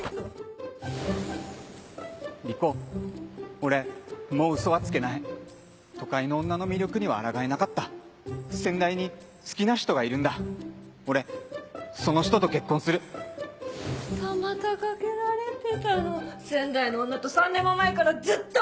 俺もう嘘はつけ都会の女の魅力にはあらがえなかった仙台に好きな人がいるんだ俺その人と結婚する二股かけられてたの仙台の女と３年も前からずっと！